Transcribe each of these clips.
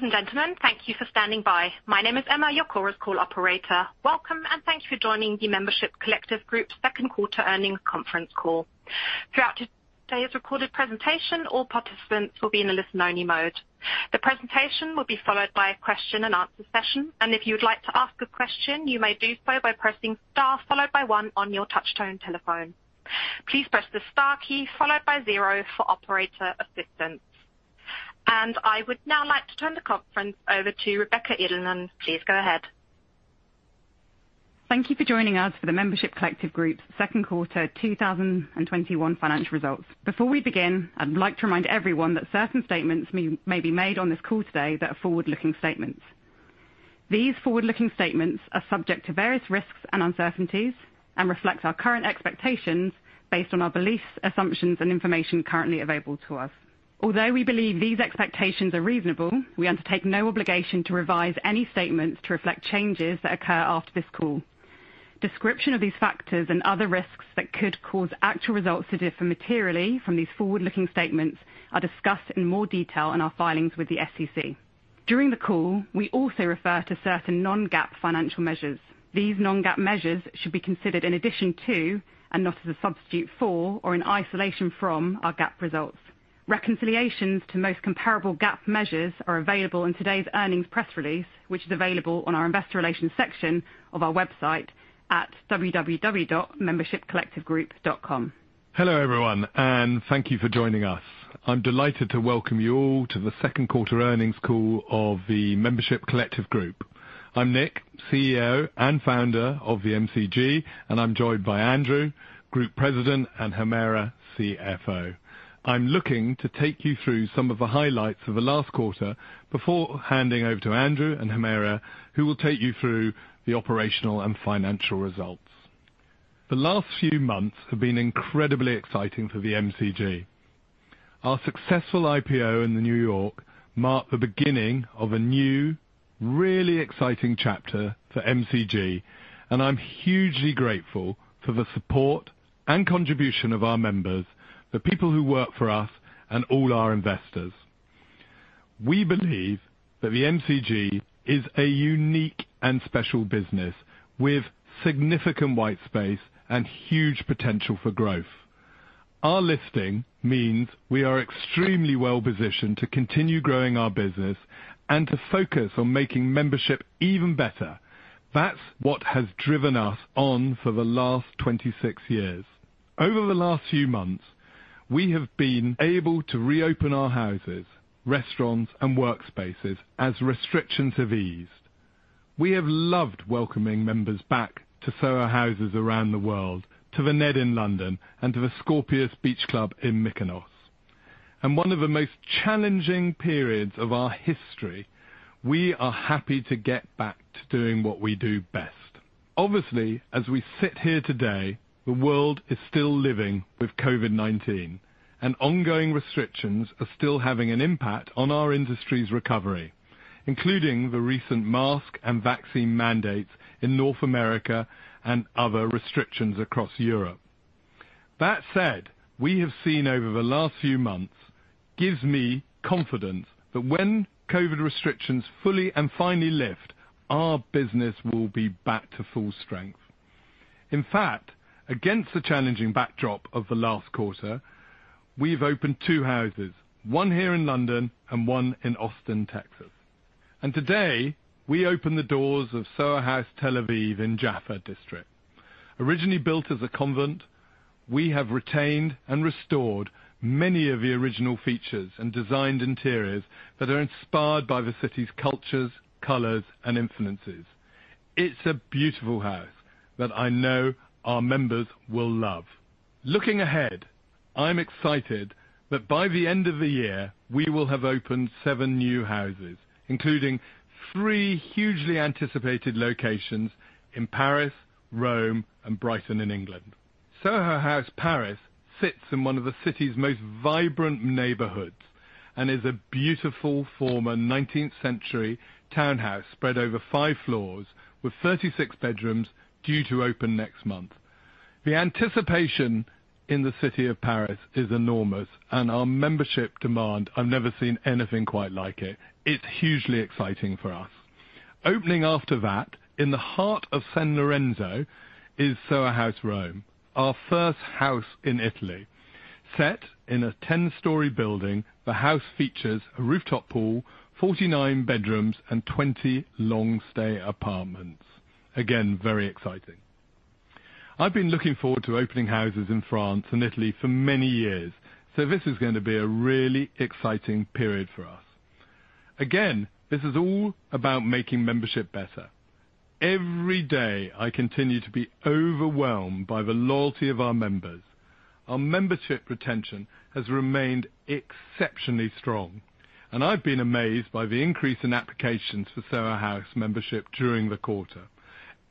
Ladies and gentlemen, thank you for standing by. My name is Emma, your Chorus Call operator. Welcome, and thank you for joining the Membership Collective Group Second Quarter Earnings Conference Call. Throughout today's recorded presentation, all participants will be in a listen-only mode. The presentation will be followed by a question and answer session, and if you would like to ask a question, you may do so by pressing star followed by one on your touch-tone telephone. Please press the star key followed by zero for operator assistance. I would now like to turn the conference over to [Rebecca Irlenman]. Please go ahead. Thank you for joining us for the Membership Collective Group's Second Quarter 2021 Financial Results. Before we begin, I'd like to remind everyone that certain statements may be made on this call today that are forward-looking statements. These forward-looking statements are subject to various risks and uncertainties and reflect our current expectations based on our beliefs, assumptions, and information currently available to us. Although we believe these expectations are reasonable, we undertake no obligation to revise any statements to reflect changes that occur after this call. Description of these factors and other risks that could cause actual results to differ materially from these forward-looking statements are discussed in more detail in our filings with the SEC. During the call, we also refer to certain non-GAAP financial measures. These non-GAAP measures should be considered in addition to, and not as a substitute for, or in isolation from, our GAAP results. Reconciliations to most comparable GAAP measures are available in today's earnings press release, which is available on our investor relations section of our website at www.membershipcollectivegroup.com. Hello, everyone. Thank you for joining us. I'm delighted to welcome you all to the Second Quarter Earnings Call of the Membership Collective Group. I'm Nick, CEO and founder of the MCG, and I'm joined by Andrew, Group President, and Humera, CFO. I'm looking to take you through some of the highlights of the last quarter before handing over to Andrew and Humera, who will take you through the operational and financial results. The last few months have been incredibly exciting for the MCG. Our successful IPO in the New York marked the beginning of a new, really exciting chapter for MCG, and I'm hugely grateful for the support and contribution of our members, the people who work for us, and all our investors. We believe that the MCG is a unique and special business with significant white space and huge potential for growth. Our listing means we are extremely well-positioned to continue growing our business and to focus on making membership even better. That's what has driven us on for the last 26 years. Over the last few months, we have been able to reopen our houses, restaurants, and workspaces as restrictions have eased. We have loved welcoming members back to Soho Houses around the world, to The Ned in London, and to the Scorpios Beach Club in Mykonos. In one of the most challenging periods of our history, we are happy to get back to doing what we do best. Obviously, as we sit here today, the world is still living with COVID-19, and ongoing restrictions are still having an impact on our industry's recovery, including the recent mask and vaccine mandates in North America and other restrictions across Europe. We have seen over the last few months gives me confidence that when COVID-19 restrictions fully and finally lift, our business will be back to full strength. Against the challenging backdrop of the last quarter, we've opened two houses, one here in London and one in Austin, Texas. Today, we open the doors of Soho House Tel Aviv in Jaffa district. Originally built as a convent, we have retained and restored many of the original features and designed interiors that are inspired by the city's cultures, colors, and influences. It's a beautiful house that I know our members will love. Looking ahead, I'm excited that by the end of the year, we will have opened seven new houses, including three hugely anticipated locations in Paris, Rome, and Brighton in England. Soho House Paris sits in one of the city's most vibrant neighborhoods and is a beautiful former 19th-century townhouse spread over five floors with 36 bedrooms due to open next month. The anticipation in the city of Paris is enormous, and our membership demand, I've never seen anything quite like it. It's hugely exciting for us. Opening after that, in the heart of San Lorenzo, is Soho House Rome, our first house in Italy. Set in a 10-story building, the house features a rooftop pool, 49 bedrooms, and 20 long-stay apartments. Again, very exciting. I've been looking forward to opening houses in France and Italy for many years, so this is going to be a really exciting period for us. Again, this is all about making membership better. Every day, I continue to be overwhelmed by the loyalty of our members. Our membership retention has remained exceptionally strong. I've been amazed by the increase in applications for Soho House membership during the quarter.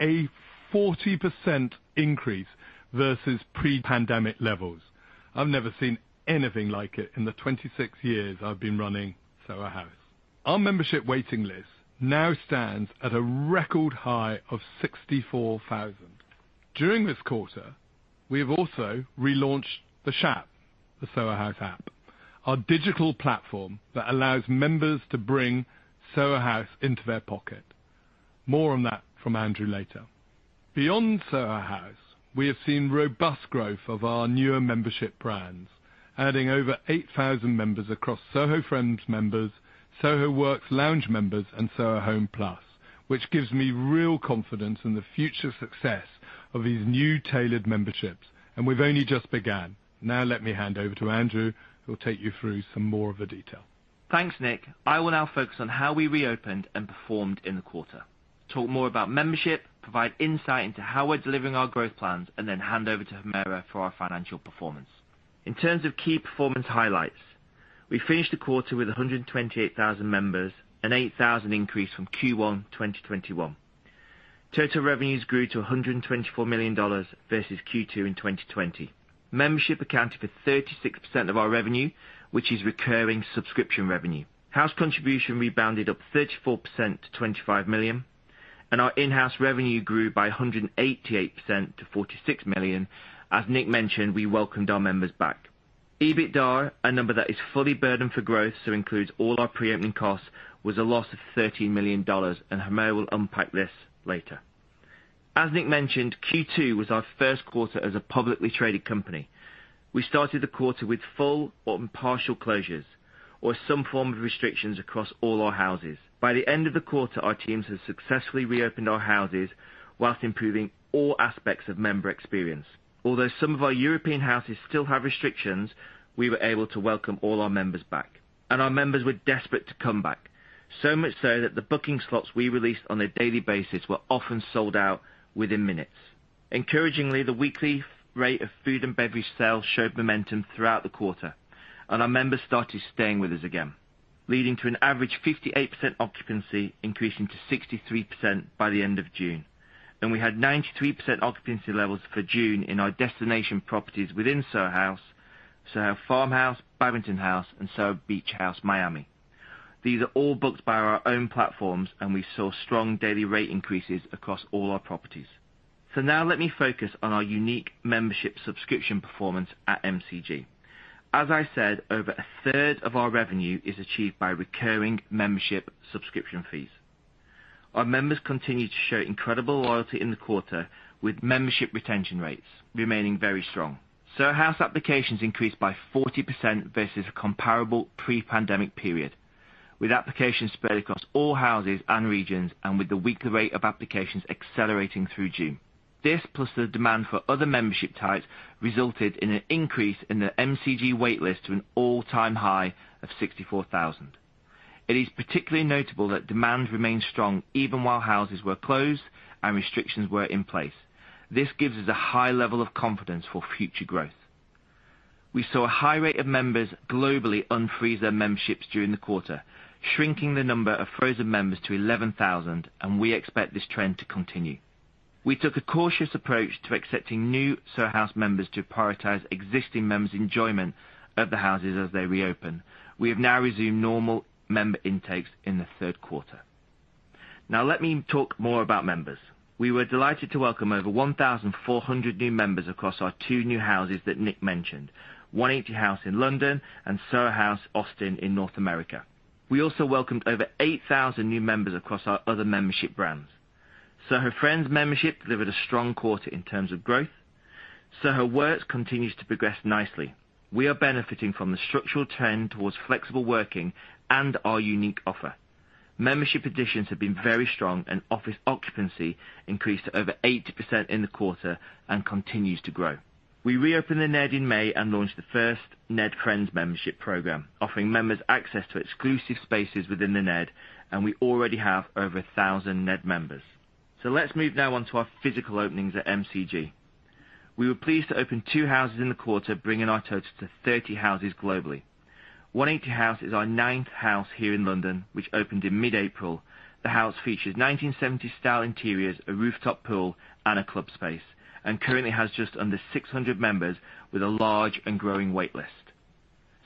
A 40% increase versus pre-pandemic levels. I've never seen anything like it in the 26 years I've been running Soho House. Our membership waiting list now stands at a record high of 64,000. During this quarter, we have also relaunched The Shop, the Soho House app, our digital platform that allows members to bring Soho House into their pocket. More on that from Andrew later. Beyond Soho House, we have seen robust growth of our newer membership brands, adding over 8,000 members across Soho Friends members, Soho Works Lounge members, and SOHO HOME+, which gives me real confidence in the future success of these new tailored memberships. We've only just began. Let me hand over to Andrew, who will take you through some more of the detail. Thanks, Nick. I will now focus on how we reopened and performed in the quarter, talk more about membership, provide insight into how we're delivering our growth plans, and then hand over to Humera for our financial performance. In terms of key performance highlights, we finished the quarter with 128,000 members, an 8,000 increase from Q1 2021. Total revenues grew to GBP 124 million versus Q2 in 2020. Membership accounted for 36% of our revenue, which is recurring subscription revenue. House contribution rebounded up 34% to 25 million, and our in-house revenue grew by 188% to 46 million. As Nick mentioned, we welcomed our members back. EBITDA, a number that is fully burdened for growth, so includes all our pre-opening costs, was a loss of GBP 13 million, and Humera will unpack this later. As Nick mentioned, Q2 was our first quarter as a publicly traded company. We started the quarter with full or partial closures, or some form of restrictions across all our houses. By the end of the quarter, our teams had successfully reopened our houses whilst improving all aspects of member experience. Although some of our European houses still have restrictions, we were able to welcome all our members back. Our members were desperate to come back, so much so that the booking slots we released on a daily basis were often sold out within minutes. Encouragingly, the weekly rate of food and beverage sales showed momentum throughout the quarter, and our members started staying with us again, leading to an average 58% occupancy increasing to 63% by the end of June. We had 93% occupancy levels for June in our destination properties within Soho House, Soho Farmhouse, Babington House, and Soho Beach House, Miami. These are all booked by our own platforms, and we saw strong daily rate increases across all our properties. Now let me focus on our unique membership subscription performance at MCG. As I said, over a third of our revenue is achieved by recurring membership subscription fees. Our members continued to show incredible loyalty in the quarter with membership retention rates remaining very strong. Soho House applications increased by 40% versus comparable pre-pandemic period, with applications spread across all houses and regions, and with the weekly rate of applications accelerating through June. This plus the demand for other membership types resulted in an increase in the MCG wait list to an all-time high of 64,000. It is particularly notable that demand remained strong even while houses were closed and restrictions were in place. This gives us a high level of confidence for future growth. We saw a high rate of members globally unfreeze their memberships during the quarter, shrinking the number of frozen members to 11,000, and we expect this trend to continue. We took a cautious approach to accepting new Soho House members to prioritize existing members' enjoyment of the houses as they reopen. We have now resumed normal member intakes in the third quarter. Now let me talk more about members. We were delighted to welcome over 1,400 new members across our two new houses that Nick mentioned, 180 House in London and Soho House Austin in North America. We also welcomed over 8,000 new members across our other membership brands. Soho Friends membership delivered a strong quarter in terms of growth. Soho Works continues to progress nicely. We are benefiting from the structural trend towards flexible working and our unique offer. Membership additions have been very strong and office occupancy increased to over 80% in the quarter and continues to grow. We reopened The Ned in May and launched the first Ned Friends membership program, offering members access to exclusive spaces within The Ned, and we already have over 1,000 Ned members. Let's move now on to our physical openings at MCG. We were pleased to open two houses in the quarter, bringing our total to 30 houses globally. 180 House is our ninth house here in London, which opened in mid-April. The house features 1970s style interiors, a rooftop pool, and a club space, and currently has just under 600 members with a large and growing wait list.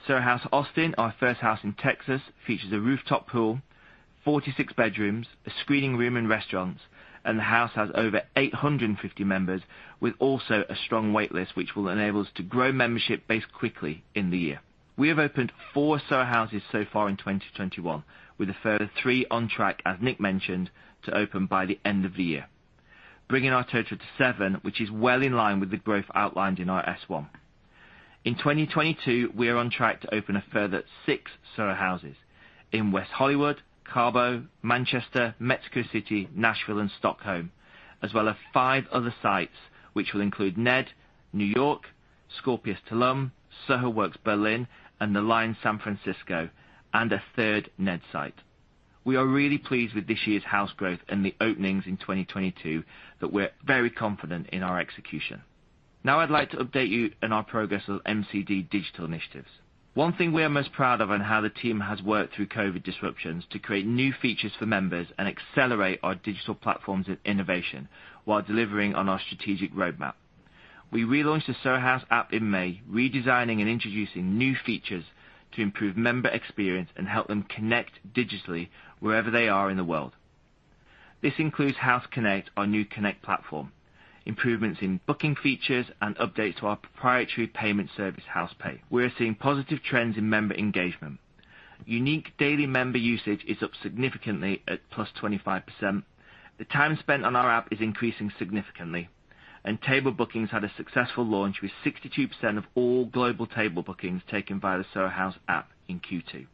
Soho House Austin, our first house in Texas, features a rooftop pool, 46 bedrooms, a screening room, and restaurants. The house has over 850 members with also a strong wait list, which will enable us to grow membership base quickly in the year. We have opened four Soho Houses so far in 2021, with a further three on track, as Nick mentioned, to open by the end of the year, bringing our total to seven, which is well in line with the growth outlined in our S1. In 2022, we are on track to open a further six Soho Houses in West Hollywood, Cabo, Manchester, Mexico City, Nashville, and Stockholm, as well as five other sites, which will include Ned New York, Scorpios Tulum, Soho Works Berlin, and The Line San Francisco, and a third Ned site. We are really pleased with this year's House growth and the openings in 2022 that we're very confident in our execution. I'd like to update you on our progress with MCG digital initiatives. One thing we are most proud of on how the team has worked through COVID-19 disruptions to create new features for members and accelerate our digital platforms and innovation while delivering on our strategic roadmap. We relaunched the Soho House app in May, redesigning and introducing new features to improve member experience and help them connect digitally wherever they are in the world. This includes House Connect, our new Connect platform, improvements in booking features, and updates to our proprietary payment service, House Pay. We're seeing positive trends in member engagement. Unique daily member usage is up significantly at +25%. The time spent on our app is increasing significantly, and table bookings had a successful launch with 62% of all global table bookings taken by the Soho House app in Q2.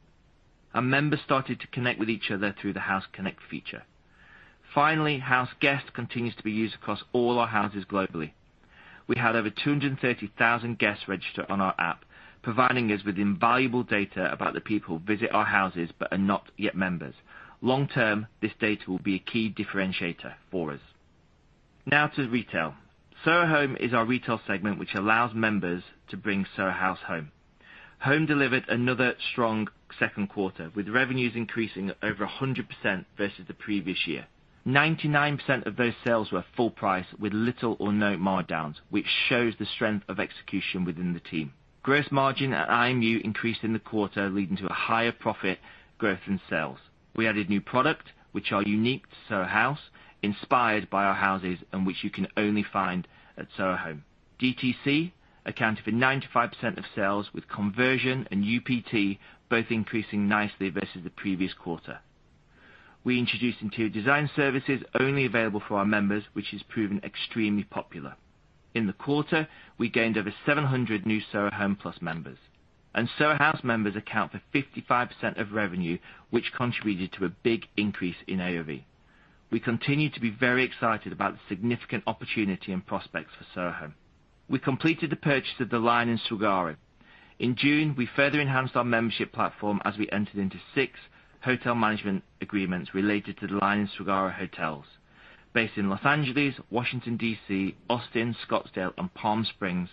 Our members started to connect with each other through the House Connect feature. Finally, House Guest continues to be used across all our houses globally. We had over 230,000 guests register on our app, providing us with invaluable data about the people who visit our houses but are not yet members. Long term, this data will be a key differentiator for us. Now to retail. Soho Home is our retail segment, which allows members to bring Soho House home. Home delivered another strong second quarter, with revenues increasing at over 100% versus the previous year. 99% of those sales were full price with little or no markdowns, which shows the strength of execution within the team. Gross margin at IMU increased in the quarter, leading to a higher profit growth in sales. We added new product, which are unique to Soho House, inspired by our houses, and which you can only find at Soho Home. DTC accounted for 95% of sales, with conversion and UPT both increasing nicely versus the previous quarter. We introduced interior design services only available for our members, which has proven extremely popular. In the quarter, we gained over 700 new SOHO HOME+ members, and Soho House members account for 55% of revenue, which contributed to a big increase in AOV. We continue to be very excited about the significant opportunity and prospects for Soho. We completed the purchase of The Line and Saguaro. In June, we further enhanced our membership platform as we entered into six hotel management agreements related to The Line and Saguaro Hotels based in Los Angeles, Washington, D.C., Austin, Scottsdale, and Palm Springs.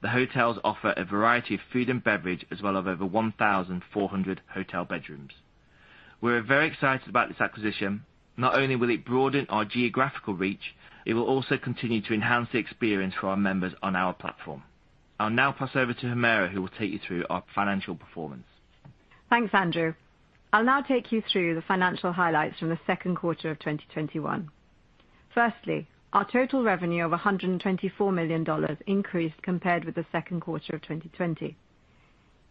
The hotels offer a variety of food and beverage, as well as over 1,400 hotel bedrooms. We are very excited about this acquisition. Not only will it broaden our geographical reach, it will also continue to enhance the experience for our members on our platform. I'll now pass over to Humera, who will take you through our financial performance. Thanks, Andrew. I'll now take you through the financial highlights from the second quarter of 2021. Our total revenue of $124 million increased compared with the second quarter of 2020.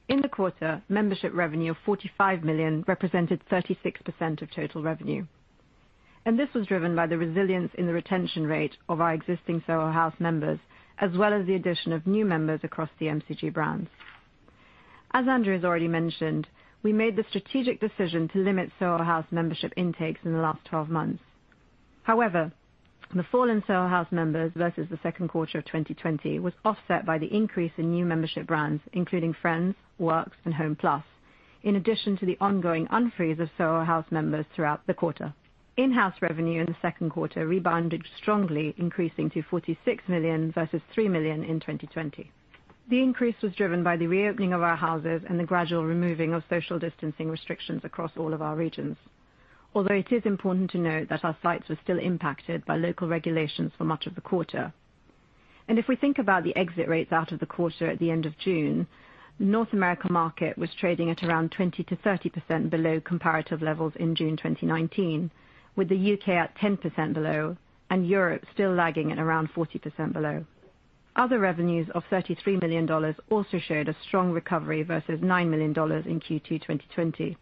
In the quarter, membership revenue of $45 million represented 36% of total revenue, and this was driven by the resilience in the retention rate of our existing Soho House members, as well as the addition of new members across the MCG brands. As Andrew has already mentioned, we made the strategic decision to limit Soho House membership intakes in the last 12 months. The fall in Soho House members versus the second quarter of 2020 was offset by the increase in new membership brands, including Soho Friends, Soho Works, and SOHO HOME+, in addition to the ongoing unfreeze of Soho House members throughout the quarter. In-house revenue in the second quarter rebounded strongly, increasing to 46 million versus 3 million in 2020. The increase was driven by the reopening of our houses and the gradual removing of social distancing restrictions across all of our regions. It is important to note that our sites were still impacted by local regulations for much of the quarter. If we think about the exit rates out of the quarter at the end of June, the North America market was trading at around 20%-30% below comparative levels in June 2019, with the U.K. at 10% below and Europe still lagging at around 40% below. Other revenues of GBP 33 million also showed a strong recovery versus GBP 9 million in Q2 2020.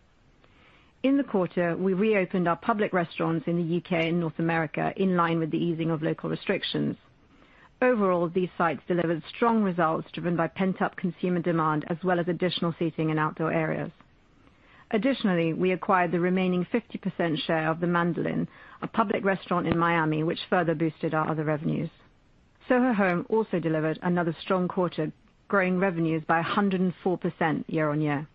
In the quarter, we reopened our public restaurants in the U.K. and North America in line with the easing of local restrictions. Overall, these sites delivered strong results, driven by pent-up consumer demand, as well as additional seating and outdoor areas. Additionally, we acquired the remaining 50% share of The Mandolin, a public restaurant in Miami, which further boosted our other revenues. Soho Home also delivered another strong quarter, growing revenues by 104% year-on-year.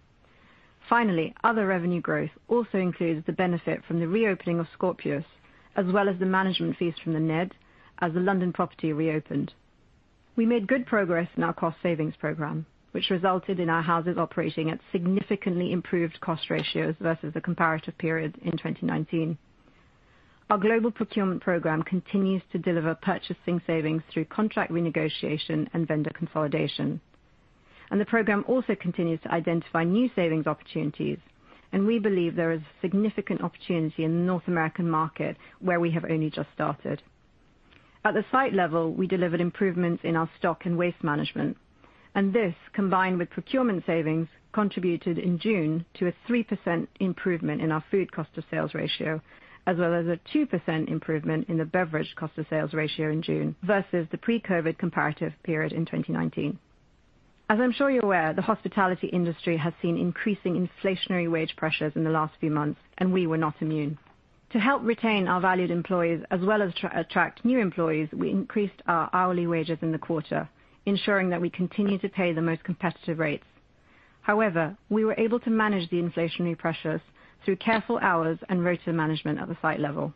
Finally, other revenue growth also includes the benefit from the reopening of Scorpios, as well as the management fees from The Ned as the London property reopened. We made good progress in our cost savings program, which resulted in our houses operating at significantly improved cost ratios versus the comparative period in 2019. Our global procurement program continues to deliver purchasing savings through contract renegotiation and vendor consolidation. The program also continues to identify new savings opportunities, and we believe there is significant opportunity in the North American market, where we have only just started. At the site level, we delivered improvements in our stock and waste management, and this, combined with procurement savings, contributed in June to a 3% improvement in our food cost of sales ratio, as well as a 2% improvement in the beverage cost of sales ratio in June versus the pre-COVID comparative period in 2019. As I'm sure you're aware, the hospitality industry has seen increasing inflationary wage pressures in the last few months, and we were not immune. To help retain our valued employees as well as attract new employees, we increased our hourly wages in the quarter, ensuring that we continue to pay the most competitive rates. However, we were able to manage the inflationary pressures through careful hours and rota management at the site level.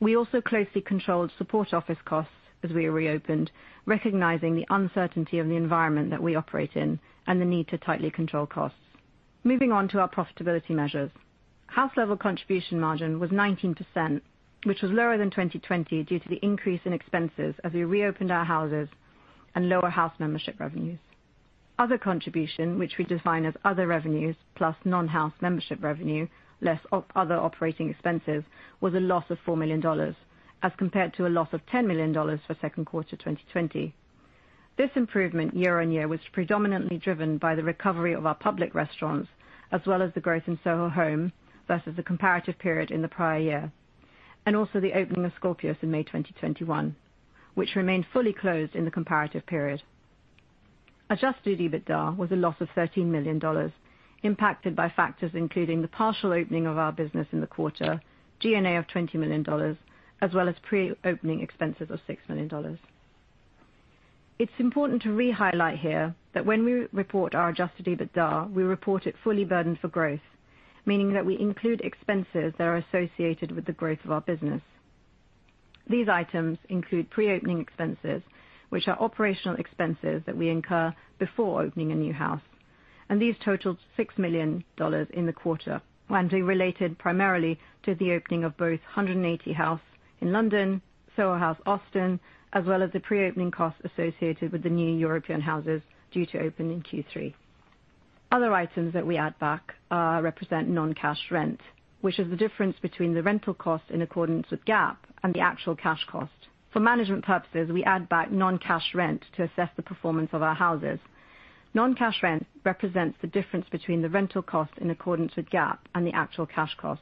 We also closely controlled support office costs as we reopened, recognizing the uncertainty of the environment that we operate in and the need to tightly control costs. Moving on to our profitability measures. House level contribution margin was 19%, which was lower than 2020 due to the increase in expenses as we reopened our Houses and lower house membership revenues. Other contribution, which we define as other revenues plus non-house membership revenue, less other operating expenses, was a loss of GBP 4 million as compared to a loss of GBP 10 million for second quarter 2020. This improvement year-over-year was predominantly driven by the recovery of our public restaurants as well as the growth in Soho Home versus the comparative period in the prior year, and also the opening of Scorpios in May 2021, which remained fully closed in the comparative period. Adjusted EBITDA was a loss of $13 million, impacted by factors including the partial opening of our business in the quarter, G&A of $20 million, as well as pre-opening expenses of $6 million. It's important to re-highlight here that when we report our Adjusted EBITDA, we report it fully burdened for growth, meaning that we include expenses that are associated with the growth of our business. These items include pre-opening expenses, which are operational expenses that we incur before opening a new House, and these totaled $6 million in the quarter, and related primarily to the opening of both 180 House in London, Soho House Austin, as well as the pre-opening costs associated with the new European Houses due to open in Q3. Other items that we add back represent non-cash rent, which is the difference between the rental cost in accordance with GAAP and the actual cash cost. For management purposes, we add back non-cash rent to assess the performance of our houses. Non-cash rent represents the difference between the rental cost in accordance with GAAP and the actual cash cost.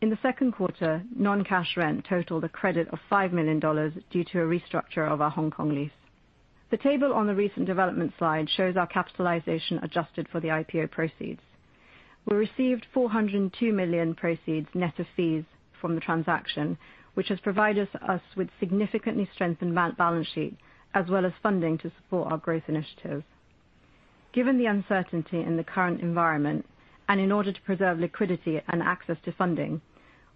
In the second quarter, non-cash rent totaled a credit of $5 million due to a restructure of our Hong Kong lease. The table on the recent development slide shows our capitalization adjusted for the IPO proceeds. We received $402 million proceeds net of fees from the transaction, which has provided us with significantly strengthened balance sheet as well as funding to support our growth initiatives. Given the uncertainty in the current environment and in order to preserve liquidity and access to funding,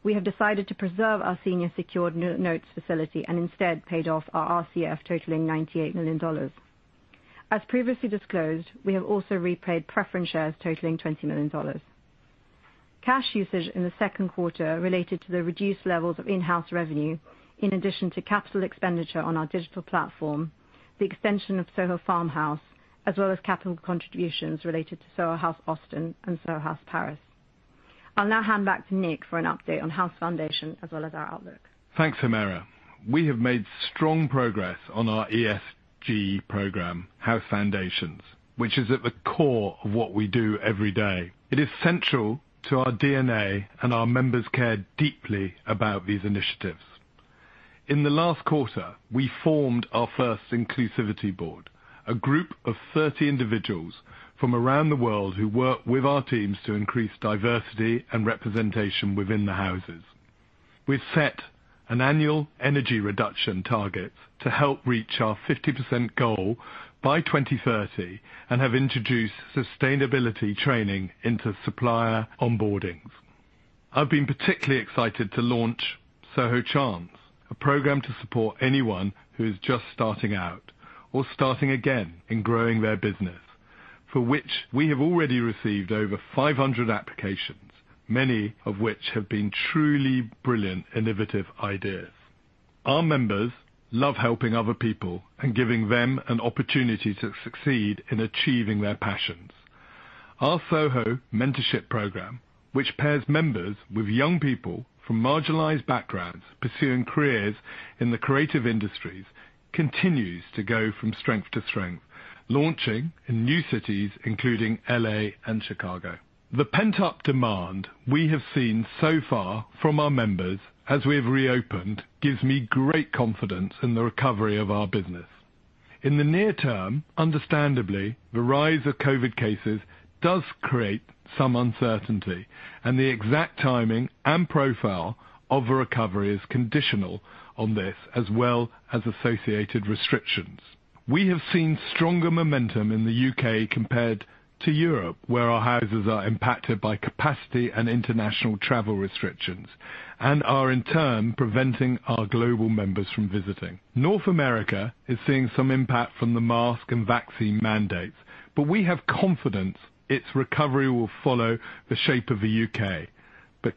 we have decided to preserve our senior secured notes facility and instead paid off our RCF totaling $98 million. As previously disclosed, we have also repaid preference shares totaling $20 million. Cash usage in the second quarter related to the reduced levels of in-house revenue, in addition to capital expenditure on our digital platform, the extension of Soho Farmhouse, as well as capital contributions related to Soho House Austin and Soho House Paris. I'll now hand back to Nick for an update on House Foundations as well as our outlook. Thanks, Humera. We have made strong progress on our ESG program, House Foundations, which is at the core of what we do every day. It is central to our DNA and our members care deeply about these initiatives. In the last quarter, we formed our first inclusivity board, a group of 30 individuals from around the world who work with our teams to increase diversity and representation within the houses. We've set an annual energy reduction target to help reach our 50% goal by 2030 and have introduced sustainability training into supplier onboardings. I've been particularly excited to launch Soho Chance, a program to support anyone who is just starting out or starting again in growing their business, for which we have already received over 500 applications, many of which have been truly brilliant, innovative ideas. Our members love helping other people and giving them an opportunity to succeed in achieving their passions. Our Soho Mentorship Program, which pairs members with young people from marginalized backgrounds pursuing careers in the creative industries, continues to go from strength to strength, launching in new cities including L.A. and Chicago. The pent-up demand we have seen so far from our members as we've reopened gives me great confidence in the recovery of our business. In the near term, understandably, the rise of COVID cases does create some uncertainty, and the exact timing and profile of a recovery is conditional on this as well as associated restrictions. We have seen stronger momentum in the U.K. compared to Europe, where our Houses are impacted by capacity and international travel restrictions and are in turn preventing our global members from visiting. North America is seeing some impact from the mask and vaccine mandates, but we have confidence its recovery will follow the shape of the U.K.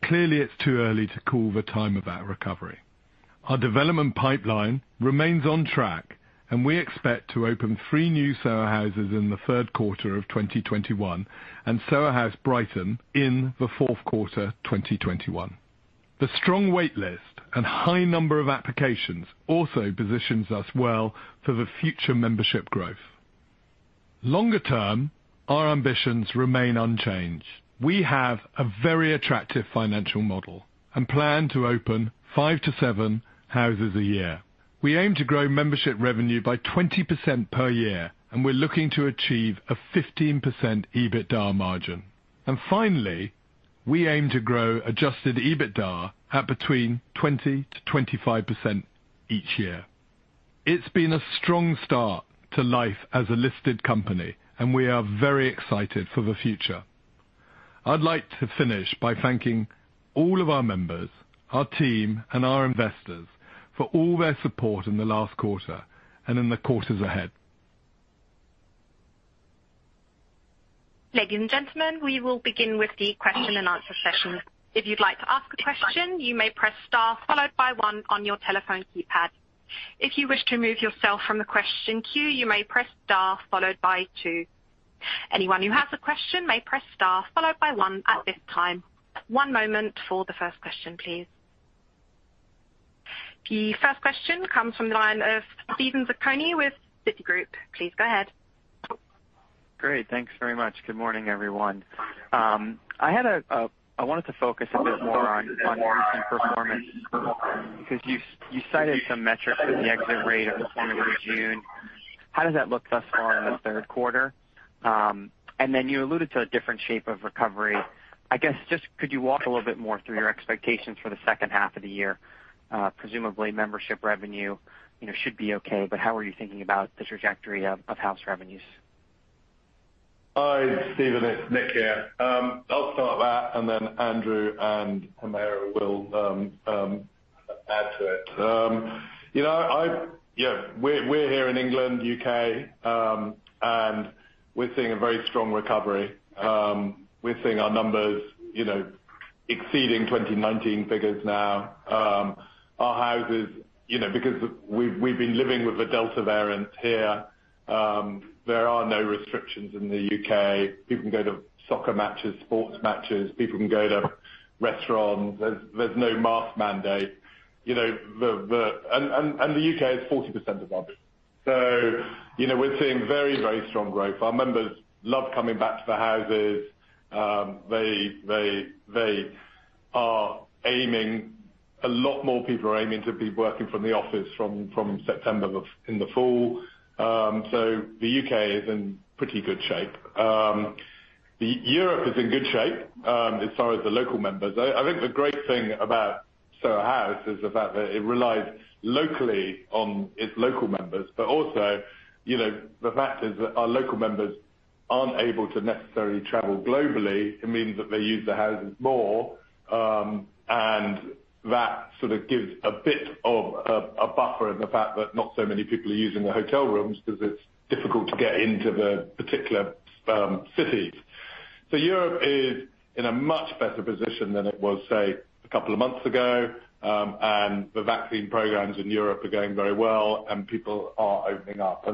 Clearly it's too early to call the time of that recovery. Our development pipeline remains on track, and we expect to open three new Soho Houses in the third quarter of 2021 and Soho House Brighton in the fourth quarter 2021. The strong wait list and high number of applications also positions us well for the future membership growth. Longer term, our ambitions remain unchanged. We have a very attractive financial model and plan to open five to seven houses a year. We aim to grow membership revenue by 20% per year, and we're looking to achieve a 15% EBITDA margin. Finally, we aim to grow adjusted EBITDA at between 20%-25% each year. It's been a strong start to life as a listed company, and we are very excited for the future. I'd like to finish by thanking all of our members, our team, and our investors for all their support in the last quarter and in the quarters ahead. Ladies and gentlemen, we will begin with the question and answer session. If you'd like to ask a question, you may press star followed by one on your telephone keypad. If you wish to remove yourself from the question queue, you may press star followed by two. Anyone who has a question may press star followed by one at this time. One moment for the first question, please. The first question comes from the line of Steven Zaccone with Citigroup. Please go ahead. Great. Thanks very much. Good morning, everyone. I wanted to focus a bit more on recent performance, because you cited some metrics with the exit rate at the end of June. How does that look thus far in the third quarter? You alluded to a different shape of recovery. I guess, just could you walk a little bit more through your expectations for the second half of the year? Presumably membership revenue should be okay, but how are you thinking about the trajectory of house revenues? Hi, Steven. It's Nick here. I'll start that, and then Andrew and Humera will add to it. We're here in England, U.K., and we're seeing a very strong recovery. We're seeing our numbers exceeding 2019 figures now. Our houses, because we've been living with the Delta variant here, there are no restrictions in the U.K. People can go to soccer matches, sports matches. People can go to restaurants. There's no mask mandate. The U.K. is 40% of our business. We're seeing very, very strong growth. Our members love coming back to the houses. A lot more people are aiming to be working from the office from September in the fall. The U.K. is in pretty good shape. Europe is in good shape, as far as the local members. I think the great thing about Soho House is the fact that it relies locally on its local members. Also, the fact is that our local members aren't able to necessarily travel globally. It means that they use the houses more, and that sort of gives a bit of a buffer in the fact that not so many people are using the hotel rooms because it's difficult to get into the particular cities. Europe is in a much better position than it was, say, a couple of months ago. The vaccine programs in Europe are going very well and people are opening up.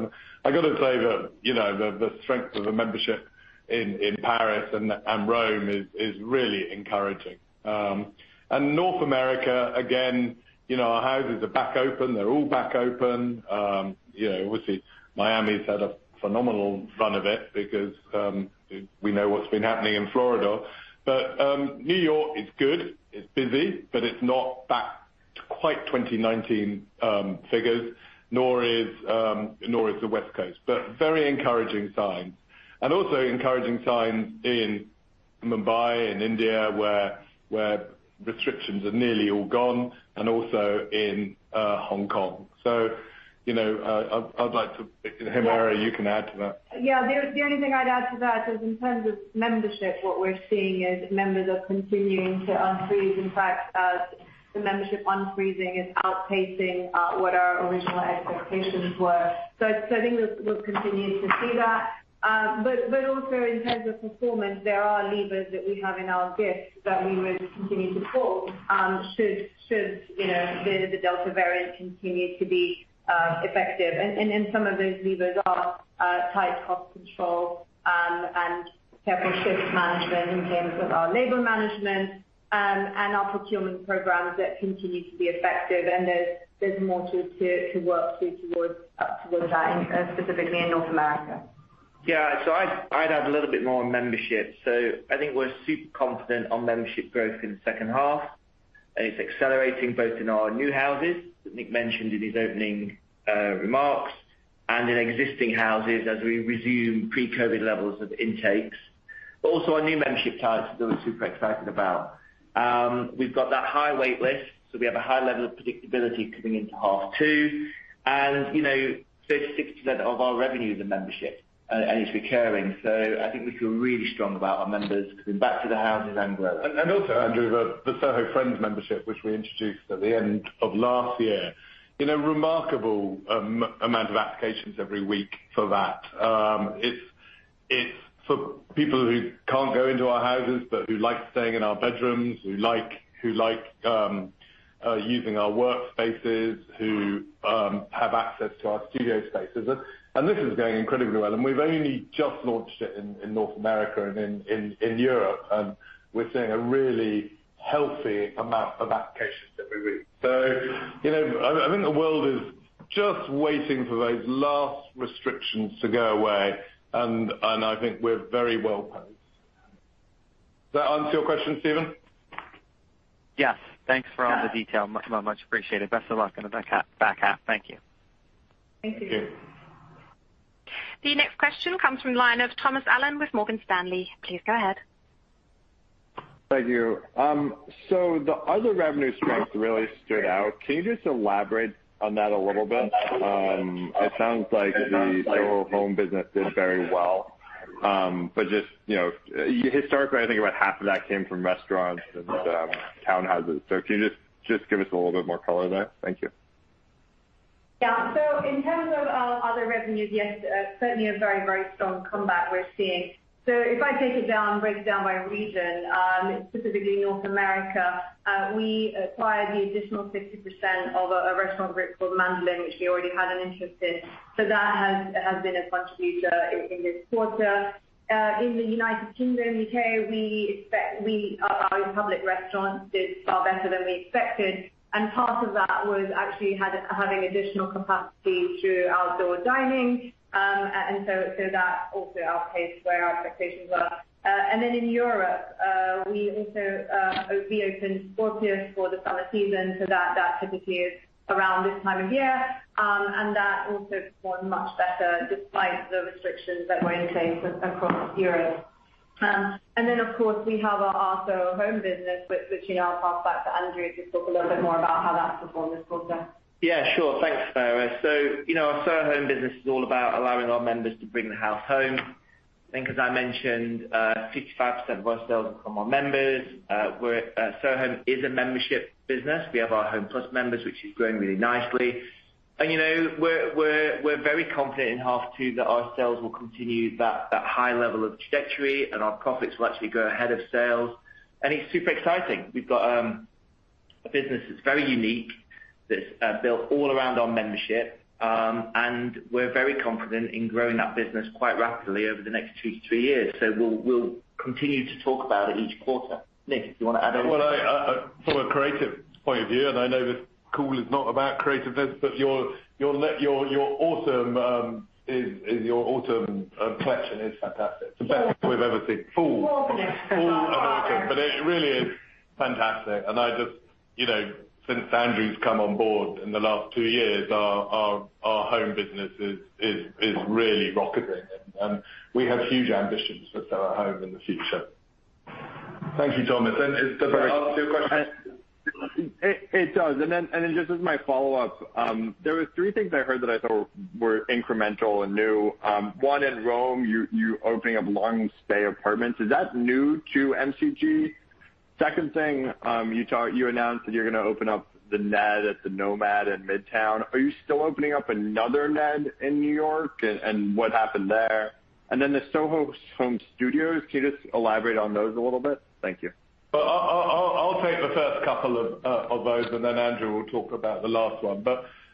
I got to say that the strength of the membership in Paris and Rome is really encouraging. North America, again, our houses are back open. They're all back open. Obviously, Miami's had a phenomenal run of it because we know what's been happening in Florida. New York is good. It's busy, but it's not back to quite 2019 figures, nor is the West Coast. Very encouraging signs. Also encouraging signs in Mumbai and India, where restrictions are nearly all gone and also in Hong Kong. Humera, you can add to that. Yeah. The only thing I'd add to that is in terms of membership, what we're seeing is members are continuing to unfreeze. In fact, the membership unfreezing is outpacing what our original expectations were. I think we'll continue to see that. Also in terms of performance, there are levers that we have in our gift that we would continue to pull should the Delta variant continue to be effective. Some of those levers are tight cost control and careful shift management in terms of our labor management and our procurement programs that continue to be effective. There's more to work through towards that, specifically in North America. Yeah. I'd add a little bit more on membership. I think we're super confident on membership growth in the second half, and it's accelerating both in our new houses that Nick mentioned in his opening remarks and in existing houses as we resume pre-COVID levels of intakes. Also our new membership products that we're super excited about. We've got that high wait list, we have a high level of predictability coming into half 2. 36% of our revenue is in membership, and it's recurring. I think we feel really strong about our members coming back to the houses and growing. Also, Andrew, the Soho Friends membership, which we introduced at the end of last year, remarkable amount of applications every week for that. It's for people who can't go into our houses, but who like staying in our bedrooms, who like using our workspaces, who have access to our studio spaces. This is going incredibly well. We've only just launched it in North America and in Europe. We're seeing a really healthy amount of applications every week. I think the world is just waiting for those last restrictions to go away. I think we're very well-placed. Does that answer your question, Steven? Yes. Thanks for all the detail. Much appreciated. Best of luck in the back half. Thank you. Thank you. Thank you. The next question comes from the line of Thomas Allen with Morgan Stanley. Please go ahead. Thank you. The other revenue strengths really stood out. Can you just elaborate on that a little bit? It sounds like the Soho Home business did very well. Just historically, I think about half of that came from restaurants and townhouses. Can you just give us a little bit more color there? Thank you. Yeah. In terms of our other revenues, yes, certainly a very strong comeback we're seeing. If I take it down, break it down by region, specifically North America, we acquired the additional 50% of a one restaurant group called Mandolin, which we already had an interest in. There has been a bunch feature in this quarter. In the United Kingdom, U.K., our in-public restaurants did far better than we expected. Part of that was actually having additional capacity through outdoor dining. That also outpaced where our expectations were. In Europe, we also reopened Scorpios for the summer season. That typically is around this time of year. That also performed much better despite the restrictions that were in place across Europe. Of course, we have our Soho Home business, which I'll pass back to Andrew to talk a little bit more about how that's performed this quarter. Yeah, sure. Thanks, Humera Afzal. Our Soho Home business is all about allowing our members to bring the house home. I think as I mentioned, 65% of our sales have come from our members. Soho Home is a membership business. We have our Home Plus members, which is growing really nicely. We're very confident in half two that our sales will continue that high level of trajectory and our profits will actually grow ahead of sales. It's super exciting. We've got a business that's very unique, that's built all around our membership. We're very confident in growing that business quite rapidly over the next two to three years. We'll continue to talk about it each quarter. Nick, do you want to add anything? Well, from a creative point of view, and I know this call is not about creativeness, but your autumn collection is fantastic. It's the best we've ever seen. Full of autumn. Full of autumn. It really is fantastic. Since Andrew's come on board in the last two years, our home business is really rocketing, and we have huge ambitions for Soho Home in the future. Thank you, Thomas. Does that answer your question? It does. Just as my follow-up, there were three things I heard that I thought were incremental and new. One in Rome, you opening up long-stay apartments. Is that new to MCG? Second thing, you announced that you're going to open up The Ned at The Ned NoMad. Are you still opening up another Ned in New York, and what happened there? The Soho Home Studios, can you just elaborate on those a little bit? Thank you. I'll take the first couple of those, and then Andrew will talk about the last one.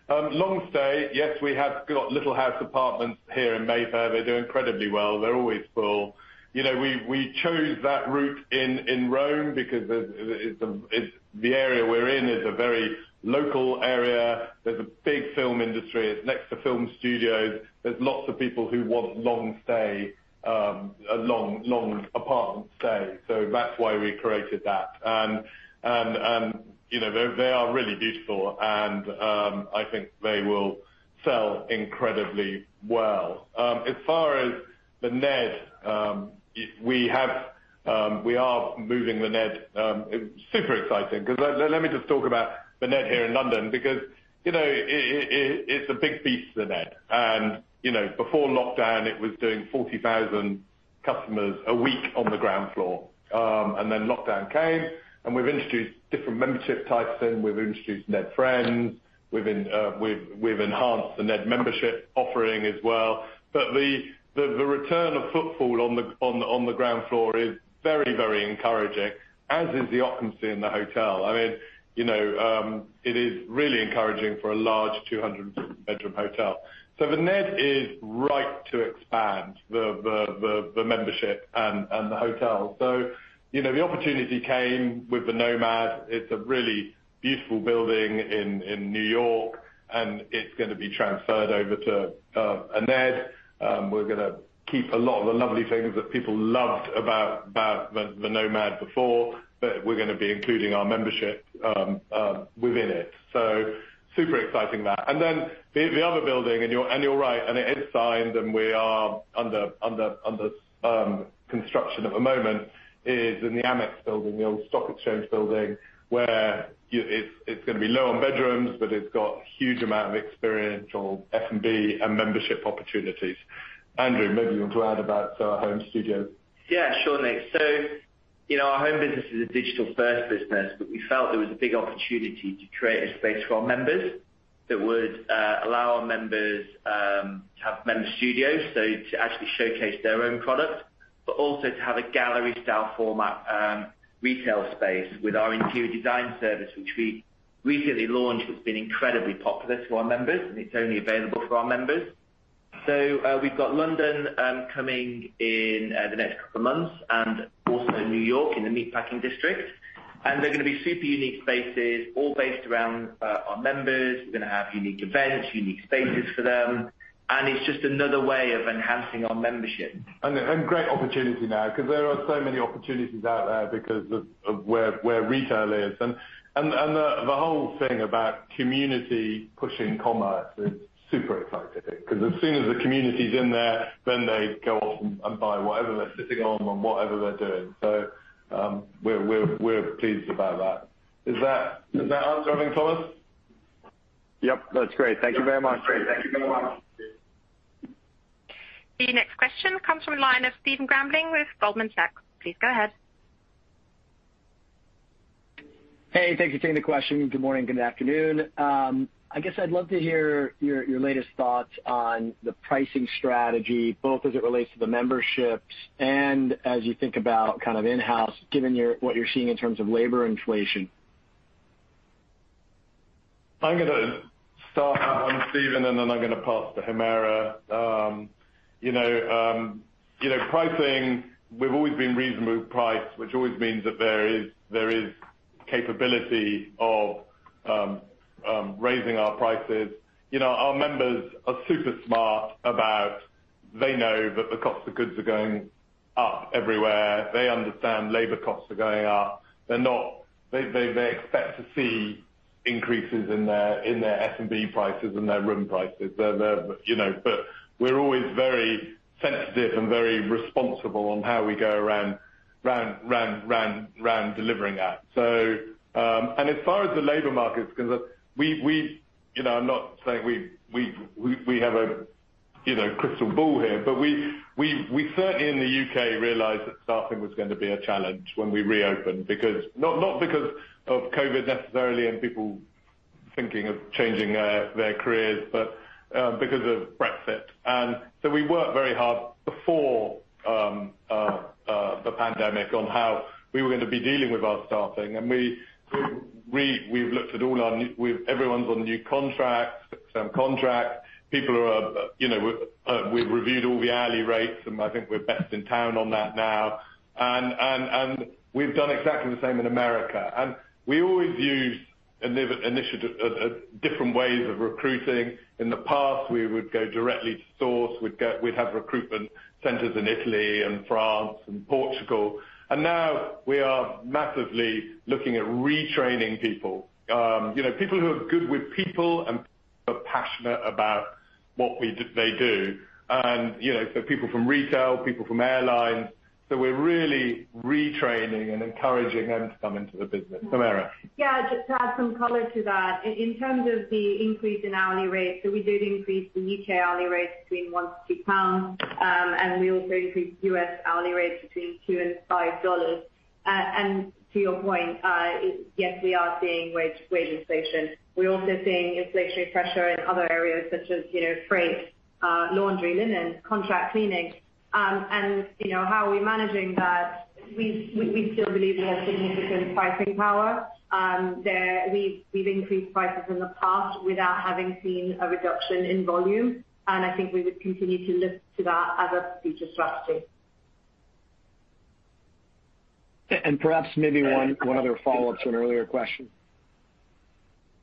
Long stay, yes, we have got little house apartments here in Mayfair. They do incredibly well. They're always full. We chose that route in Rome because the area we're in is a very local area. There's a big film industry. It's next to film studios. There's lots of people who want long apartment stay. That's why we created that. They are really beautiful, and I think they will sell incredibly well. As far as The Ned, we are moving The Ned. Super exciting, because let me just talk about The Ned here in London, because it's a big beast, The Ned. Before lockdown, it was doing 40,000 customers a week on the ground floor. Then lockdown came, and we've introduced different membership types in, we've introduced Ned Friends, we've enhanced The Ned membership offering as well. The return of footfall on the ground floor is very encouraging, as is the occupancy in the hotel. It is really encouraging for a large 200-bedroom hotel. The Ned is right to expand the membership and the hotel. The opportunity came with the NoMad. It's a really beautiful building in New York, and it's going to be transferred over to a Ned. We're going to keep a lot of the lovely things that people loved about the NoMad before, but we're going to be including our membership within it. Super exciting that. The other building, and you're right, and it is signed and we are under construction at the moment, is in the AMEX building, the old stock exchange building, where it's going to be low on bedrooms, but it's got a huge amount of experience or F&B and membership opportunities. Andrew, maybe you want to add about Soho Home Studios? Sure, Nick. Our Soho Home business is a digital-first business, but we felt there was a big opportunity to create a space for our members that would allow our members to have Soho Home Studios, so to actually showcase their own product, but also to have a gallery-style format retail space with our interior design service, which we recently launched. It's been incredibly popular to our members, and it's only available for our members. We've got London coming in the next couple of months and also New York in the Meatpacking District. They're going to be super unique spaces, all based around our members. We're going to have unique events, unique spaces for them, and it's just another way of enhancing our membership. Great opportunity now because there are so many opportunities out there because of where retail is. The whole thing about community pushing commerce is super exciting because as soon as the community's in there, then they go off and buy whatever they're sitting on and whatever they're doing. We're pleased about that. Does that answer everything, Thomas? Yep, that's great. Thank you very much. Your next question comes from the line of Stephen Grambling with Goldman Sachs. Please go ahead. Hey, thanks for taking the question. Good morning. Good afternoon. I guess I'd love to hear your latest thoughts on the pricing strategy, both as it relates to the memberships and as you think about in-house, given what you're seeing in terms of labor inflation. I'm going to start out on Stephen, then I'm going to pass to Humera. Pricing, we've always been reasonably priced, which always means that there is capability of raising our prices. Our members are super smart about, they know that the cost of goods are going up everywhere. They understand labor costs are going up. They expect to see increases in their F&B prices and their room prices. We're always very sensitive and very responsible on how we go around delivering that. As far as the labor market is concerned, I'm not saying we have a crystal ball here, but we certainly in the U.K. realized that staffing was going to be a challenge when we reopened. Not because of COVID necessarily and people thinking of changing their careers, but because of Brexit. We worked very hard before the pandemic on how we were going to be dealing with our staffing. Everyone's on new contracts. We've reviewed all the hourly rates, and I think we're best in town on that now. We've done exactly the same in America. We always use different ways of recruiting. In the past, we would go directly to source. We'd have recruitment centers in Italy and France and Portugal. Now we are massively looking at retraining people. People who are good with people and are passionate about what they do. People from retail, people from airlines, so we're really retraining and encouraging them to come into the business. Humera. Yeah, just to add some color to that, in terms of the increase in hourly rates, we did increase the U.K. hourly rates between 1 - 2 pounds, and we also increased U.S. hourly rates between $2 and $5. To your point, yes, we are seeing wage inflation. We're also seeing inflationary pressure in other areas such as freight, laundry, linen, contract cleaning. How are we managing that? We still believe we have significant pricing power. We've increased prices in the past without having seen a reduction in volume, and I think we would continue to look to that as a future strategy. Perhaps maybe one other follow-up to an earlier question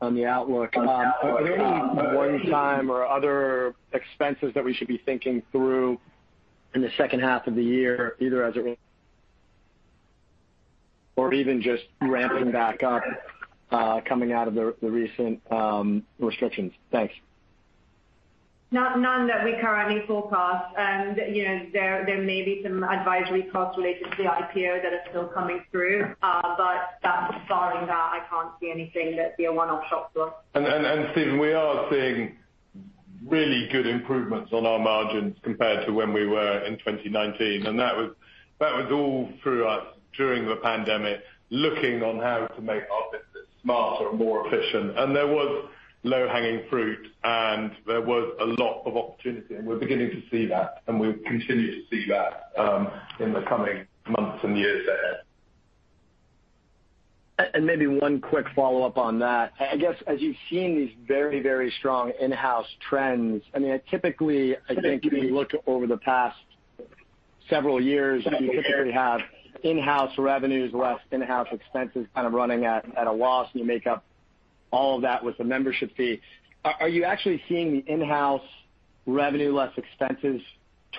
on the outlook. Are there any one-time or other expenses that we should be thinking through in the second half of the year, either as is or even just ramping back up, coming out of the recent restrictions? Thanks. None that we currently forecast. There may be some advisory costs related to the IPO that are still coming through. Barring that, I can't see anything that's a one-off shock to us. Stephen, we are seeing really good improvements on our margins compared to when we were in 2019. That was all through us during the pandemic, looking on how to make our business smarter and more efficient. There was low-hanging fruit, and there was a lot of opportunity. We're beginning to see that, and we'll continue to see that in the coming months and years ahead. Maybe one quick follow-up on that. I guess as you've seen these very, very strong in-house trends, typically, I think if you look over the past several years, you typically have in-house revenues, less in-house expenses kind of running at a loss, and you make up all of that with the membership fee. Are you actually seeing the in-house revenue less expenses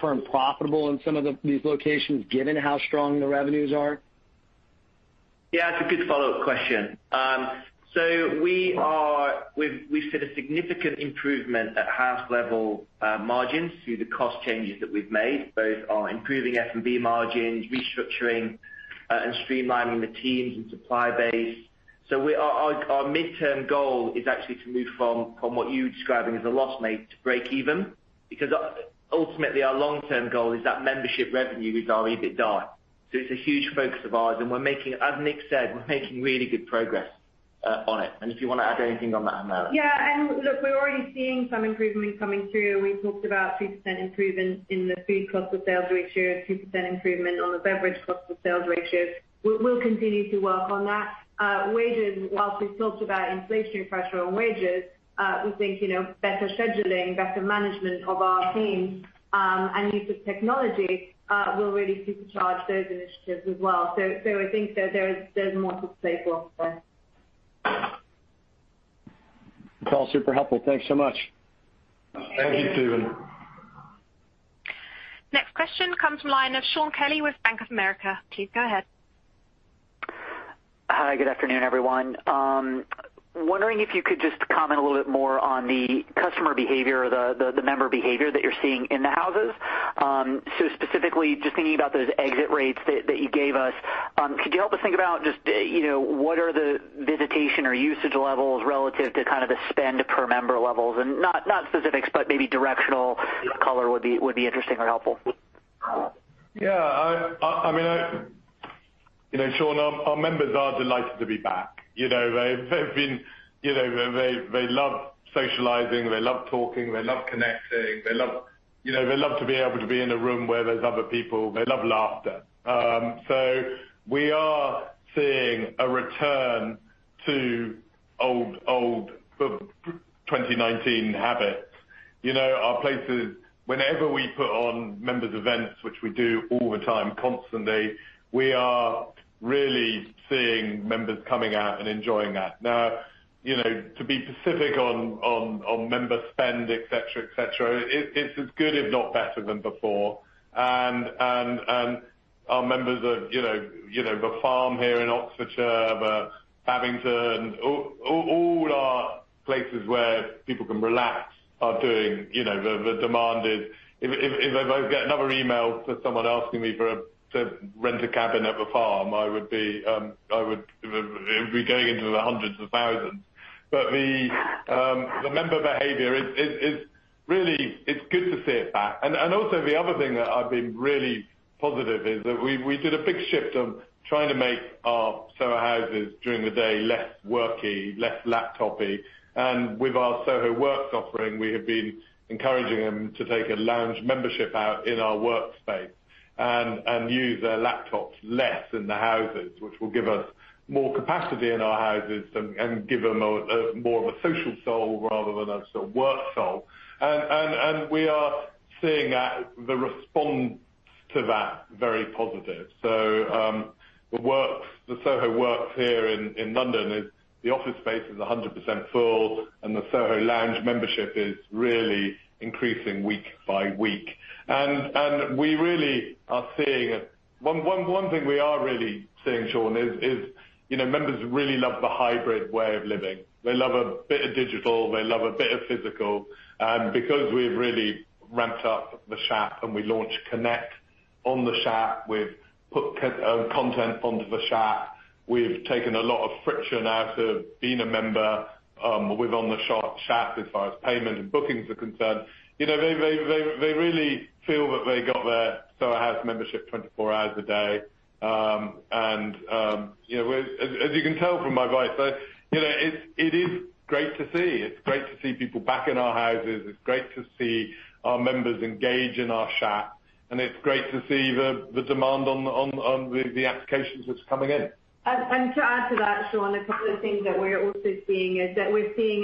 turn profitable in some of these locations, given how strong the revenues are? Yeah, it's a good follow-up question. We've seen a significant improvement at House level margins through the cost changes that we've made, both on improving F&B margins, restructuring, and streamlining the teams and supply base. Our midterm goal is actually to move from what you're describing as a loss make to break even, because ultimately our long-term goal is that membership revenue is our EBITDA. It's a huge focus of ours, and as Nick said, we're making really good progress on it. If you want to add anything on that, Humera. Yeah, look, we're already seeing some improvements coming through. We talked about 3% improvement in the food cost of sales ratios, 2% improvement on the beverage cost of sales ratios. We'll continue to work on that. Wages, while we've talked about inflationary pressure on wages, we think better scheduling, better management of our teams, and use of technology will really supercharge those initiatives as well. I think there's more to play for there. It's all super helpful. Thanks so much. Thank you, Stephen. Next question comes from the line of Shaun Kelley with Bank of America. Please go ahead. Hi. Good afternoon, everyone. Wondering if you could just comment a little bit more on the customer behavior or the member behavior that you're seeing in the houses. Specifically just thinking about those exit rates that you gave us, could you help us think about just what are the visitation or usage levels relative to kind of the spend per member levels? Not specifics, but maybe directional color would be interesting or helpful. Yeah. Shaun, our members are delighted to be back. They love socializing, they love talking, they love connecting. They love to be able to be in a room where there's other people. They love laughter. We are seeing a return to old 2019 habits. Our places, whenever we put on members events, which we do all the time, constantly, we are really seeing members coming out and enjoying that. Now, to be specific on member spend, et cetera, it's as good if not better than before. Our members at the Soho Farmhouse here in Oxfordshire, the Babington House, all our places where people can relax are doing, the demand is If I get another email for someone asking me to rent a cabin at the Soho Farmhouse, it would be going into the hundreds of thousands. The member behavior is really, it's good to see it back. The other thing that I've been really positive is that we did a big shift of trying to make our Soho Houses during the day less worky, less laptopy. With our Soho Works offering, we have been encouraging them to take a lounge membership out in our workspace and use their laptops less in the Houses, which will give us more capacity in our Houses and give them more of a social soul rather than a sort of work soul. We are seeing the response to that very positive. The Soho Works here in London, the office space is 100% full, and the Soho lounge membership is really increasing week by week. One thing we are really seeing, Shaun, is members really love the hybrid way of living. They love a bit of digital, they love a bit of physical. Because we've really ramped up the chat and we launched Connect on the chat, we've put content onto the chat. We've taken a lot of friction out of being a member with on the chat as far as payment and bookings are concerned. They really feel that they got their Soho House membership 24 hours a day. As you can tell from my voice, it is great to see. It's great to see people back in our houses. It's great to see our members engage in our chat, and it's great to see the demand on the applications that's coming in. To add to that, Shaun, a couple of things that we're also seeing an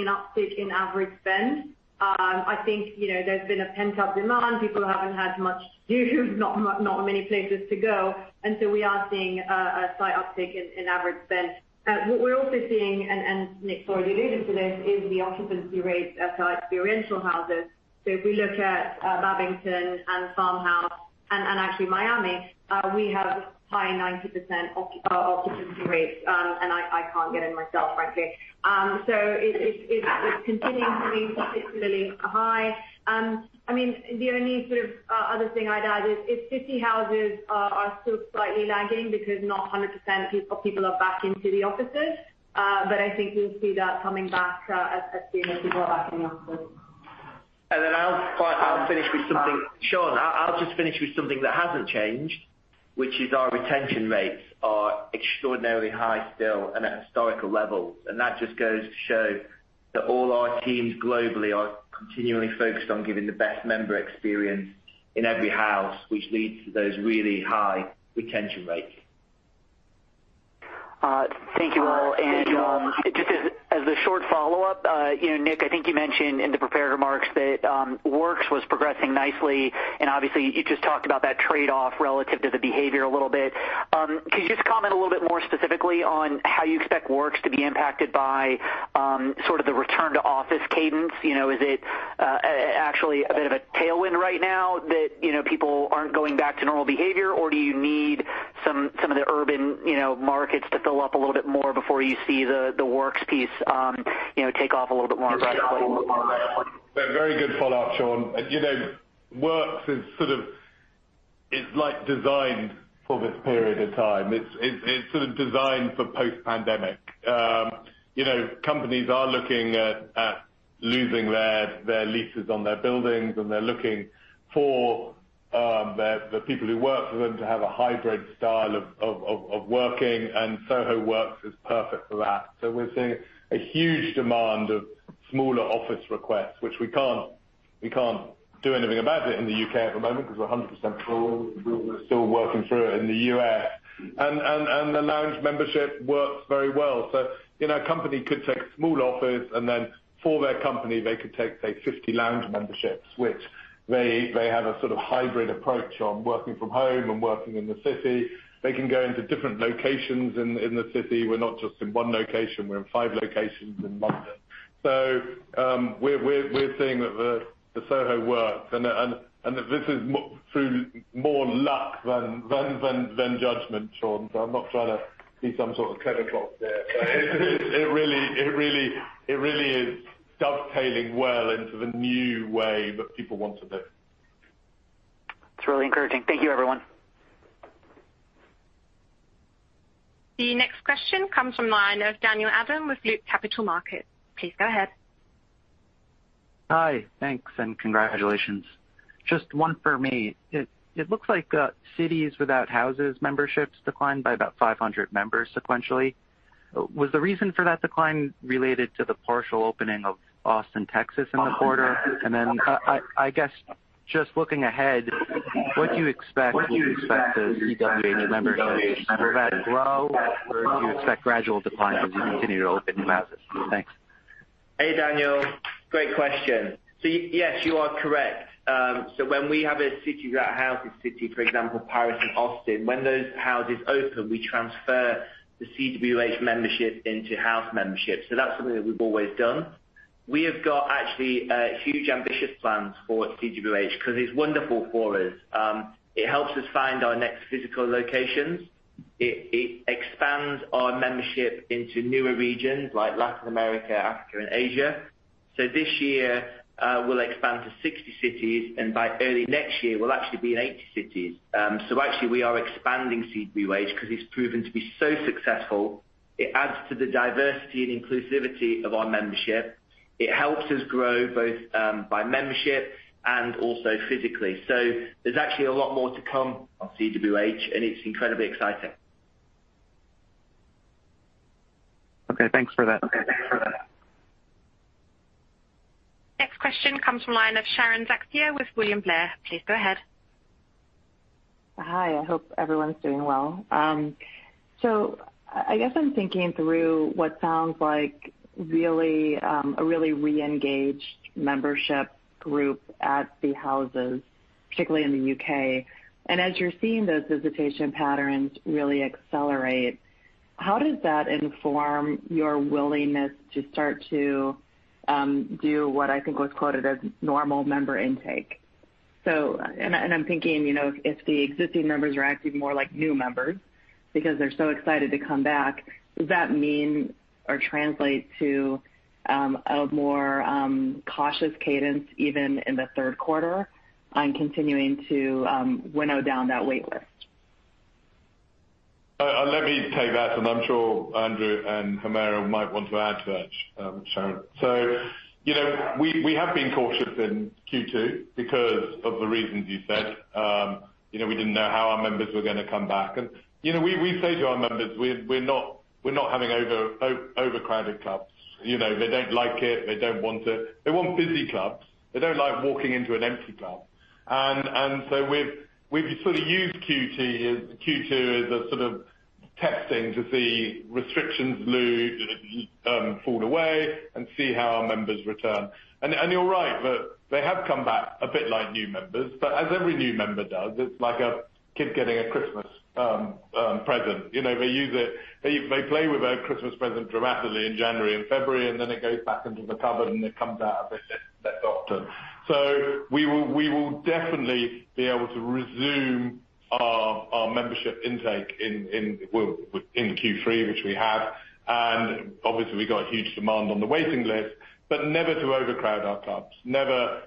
uptick in average spend. I think, there's been a pent-up demand. People haven't had much to do, not many places to go. We are seeing a slight uptick in average spend. What we're also seeing, and Nick's already alluded to this, is the occupancy rates at our experiential houses. If we look at Babington and Farmhouse and actually Miami, we have high 90% occupancy rates. I can't get in myself, frankly. It's continuing to be particularly high. The only sort of other thing I'd add is city houses are still slightly lagging because not 100% of people are back into the offices. I think we'll see that coming back as soon as people are back in the offices. I'll finish with something, Shaun, I'll just finish with something that hasn't changed, which is our retention rates are extraordinarily high still and at historical levels. That just goes to show that all our teams globally are continually focused on giving the best member experience in every house, which leads to those really high retention rates. Thank you all. Just as a short follow-up, Nick, I think you mentioned in the prepared remarks that Soho Works was progressing nicely, and obviously you just talked about that trade-off relative to the behavior a little bit. Could you just comment a little bit more specifically on how you expect Soho Works to be impacted by sort of the return to office cadence? Is it actually a bit of a tailwind right now that people aren't going back to normal behavior, or do you need some of the urban markets to fill up a little bit more before you see the Soho Works piece take off a little bit more aggressively? A very good follow-up, Shaun. Soho Works is sort of, it's like designed for this period of time. It's sort of designed for post-pandemic. Companies are looking at losing their leases on their buildings, and they're looking for the people who work for them to have a hybrid style of working and Soho Works is perfect for that. We're seeing a huge demand of smaller office requests, which we can't do anything about it in the U.K. at the moment because we're 100% full. We're still working through it in the U.S. The lounge membership works very well. A company could take a small office and then for their company, they could take, say, 50 lounge memberships, which they have a sort of hybrid approach on working from home and working in the city. They can go into different locations in the city. We're not just in one location, we're in five locations in London. We're seeing that the Soho Works and this is through more luck than judgment, Shaun, so I'm not trying to be some sort of clever clogs there. It really is dovetailing well into the new way that people want to live. It's really encouraging. Thank you, everyone. The next question comes from the line of Daniel Adam with Loop Capital Markets. Please go ahead. Hi. Thanks and congratulations. Just one for me. It looks like Soho Friends memberships declined by about 500 members sequentially. Was the reason for that decline related to the partial opening of Soho House Austin in the quarter? Then I guess just looking ahead, what do you expect with respect to CWH membership? Will that grow, or do you expect gradual declines as you continue to open new houses? Thanks. Hey, Daniel. Great question. Yes, you are correct. When we have a City Without Houses city, for example, Paris and Austin, when those Houses open, we transfer the CWH membership into House memberships. That's something that we've always done. We have got actually huge ambitious plans for CWH because it's wonderful for us. It helps us find our next physical locations. It expands our membership into newer regions like Latin America, Africa, and Asia. This year, we'll expand to 60 cities, and by early next year, we'll actually be in 80 cities. Actually we are expanding CWH because it's proven to be so successful. It adds to the diversity and inclusivity of our membership. It helps us grow both by membership and also physically. There's actually a lot more to come on CWH, and it's incredibly exciting. Okay, thanks for that. Next question comes from line of Sharon Zackfia with William Blair. Please go ahead. Hi, I hope everyone's doing well. I guess I'm thinking through what sounds like a really re-engaged membership group at the Houses, particularly in the U.K. As you're seeing those visitation patterns really accelerate, how does that inform your willingness to start to do what I think was quoted as normal member intake? I'm thinking if the existing members are acting more like new members because they're so excited to come back, does that mean or translate to a more cautious cadence even in the third quarter on continuing to winnow down that waitlist? Let me take that, and I'm sure Andrew and Humera might want to add to that, Sharon. We have been cautious in Q2 because of the reasons you said. We didn't know how our members were going to come back. We say to our members, we're not having overcrowded clubs. They don't like it. They don't want it. They want busy clubs. They don't like walking into an empty club. We've sort of used Q2 as a sort of testing to see restrictions fall away and see how our members return. You're right that they have come back a bit like new members. As every new member does, it's like a kid getting a Christmas present. They play with their Christmas present dramatically in January and February, and then it goes back into the cupboard, and it comes out a bit less often. We will definitely be able to resume our membership intake in Q3, which we have. Obviously we got huge demand on the waiting list, but never to overcrowd our clubs. Never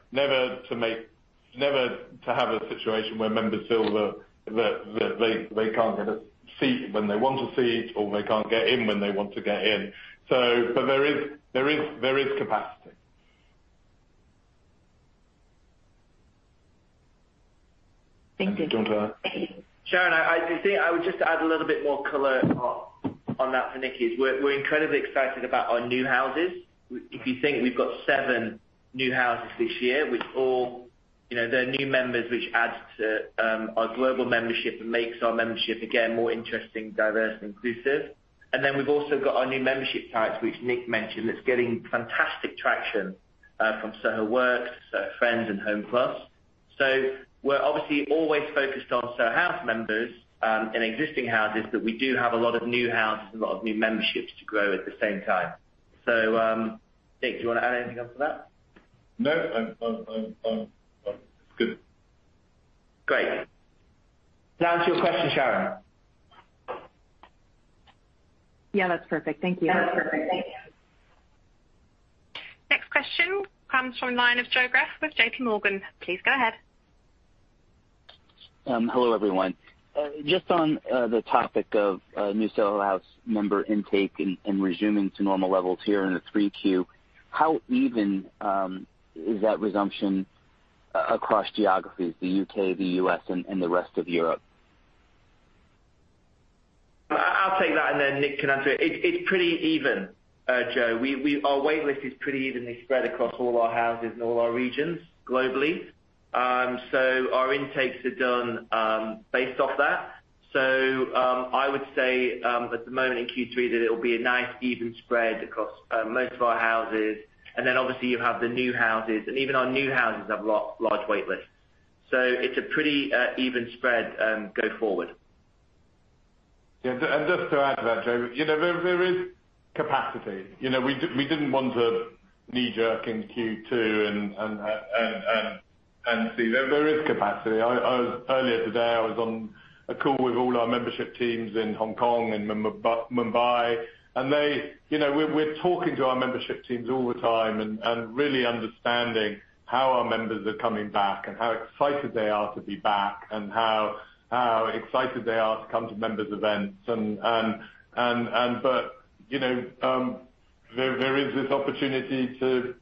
to have a situation where members feel that they can't get a seat when they want a seat or they can't get in when they want to get in. There is capacity. Thank you. Do you want to add? Sharon, I would just add a little bit more color on that for Nicky. We're incredibly excited about our new houses. If you think we've got seven new houses this year, they're new members which adds to our global membership and makes our membership, again, more interesting, diverse, and inclusive. We've also got our new membership types, which Nick mentioned, that's getting fantastic traction from Soho Works, Soho Friends, and SOHO HOME+. We're obviously always focused on Soho House members in existing houses, but we do have a lot of new houses and a lot of new memberships to grow at the same time. Nick, do you want to add anything else to that? No, it's good. Great. Does that answer your question, Sharon? Yeah, that's perfect. Thank you. Next question comes from line of Joe Greff with J.P. Morgan. Please go ahead. Hello, everyone. Just on the topic of new Soho House member intake and resuming to normal levels here in the 3Q, how even is that resumption across geographies, the U.K., the U.S., and the rest of Europe? I'll take that. Then Nick can answer it. It's pretty even, Joe. Our wait list is pretty evenly spread across all our houses and all our regions globally. Our intakes are done based off that. I would say at the moment in Q3 that it will be a nice even spread across most of our houses. Then obviously you have the new houses. Even our new houses have large wait lists. It's a pretty even spread going forward. Just to add to that, Joe, there is capacity. We didn't want to knee-jerk in Q2 and see there is capacity. Earlier today I was on a call with all our membership teams in Hong Kong and Mumbai, and we're talking to our membership teams all the time and really understanding how our members are coming back and how excited they are to be back and how excited they are to come to members events. There is this opportunity to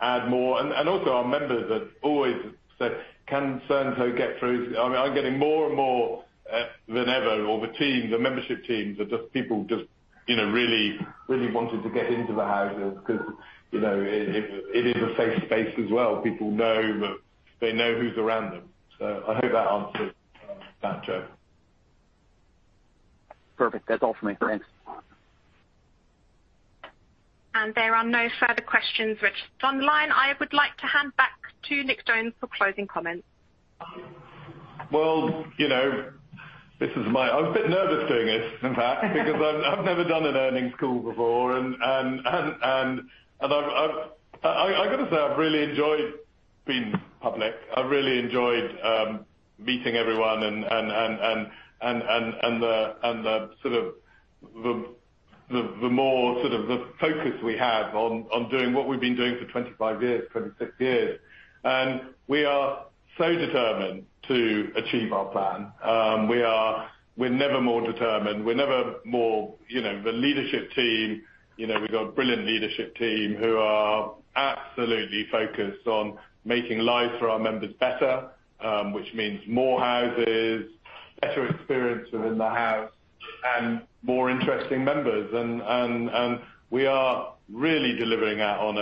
add more. Also, our members are always saying, "Can so and so get through?" I'm getting more and more than ever, or the membership teams are people really wanting to get into the houses because it is a safe space as well. People know that they know who's around them. I hope that answers that, Joe. Perfect. That is all for me. Thanks. There are no further questions registered online. I would like to hand back to Nick Jones for closing comments. Well, I was a bit nervous doing this, in fact, because I've never done an earnings call before. I've got to say, I've really enjoyed being public. I've really enjoyed meeting everyone and the more sort of the focus we have on doing what we've been doing for 25 years, 26 years. We are so determined to achieve our plan. We're never more determined. The leadership team, we've got a brilliant leadership team who are absolutely focused on making life for our members better, which means more houses, better experience within the house, and more interesting members. We are really delivering that on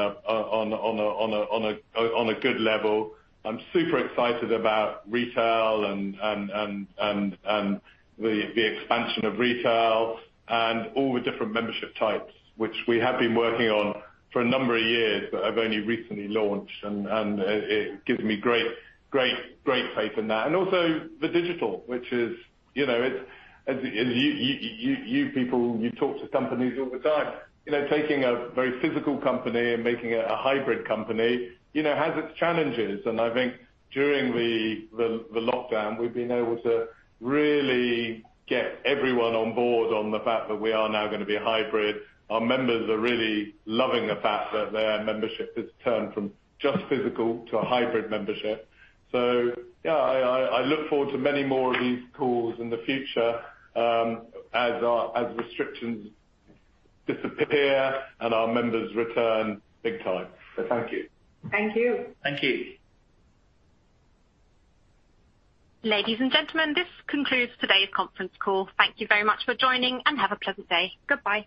a good level. I'm super excited about retail and the expansion of retail and all the different membership types, which we have been working on for a number of years but have only recently launched, and it gives me great faith in that. Also the digital, which is, you people talk to companies all the time. Taking a very physical company and making it a hybrid company, has its challenges, and I think during the lockdown, we've been able to really get everyone on board on the fact that we are now going to be a hybrid. Our members are really loving the fact that their membership has turned from just physical to a hybrid membership. Yeah, I look forward to many more of these calls in the future as restrictions disappear and our members return big time. Thank you. Thank you. Thank you. Ladies and gentlemen, this concludes today's conference call. Thank you very much for joining, and have a pleasant day. Goodbye.